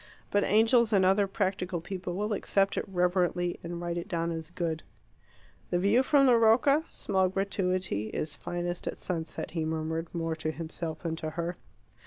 But angels and other practical people will accept it reverently, and write it down as good. "The view from the Rocca (small gratuity) is finest at sunset," he murmured, more to himself than to her.